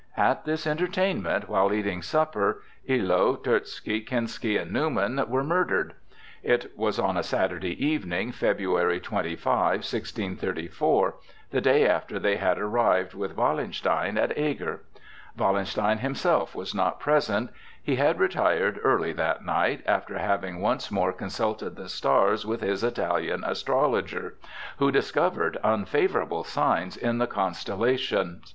At this entertainment, while eating supper, Illo, Terzky, Kinsky and Newman, were murdered. It was on a Saturday evening, February 25, 1634, the day after they had arrived with Wallenstein at Eger. Wallenstein himself was not present. He had retired early that night, after having once more consulted the stars with his Italian astrologer, who discovered unfavorable signs in the constellations.